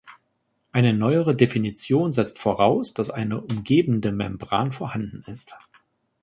Eine neuere Definition setzt voraus, dass eine umgebende Membran vorhanden ist.